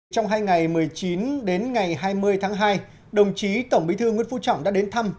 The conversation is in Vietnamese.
trong hai ngày một mươi chín đến ngày hai mươi tháng hai đồng chí tổng bí thư nguyễn phú trọng đã đến thăm